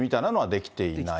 できていない。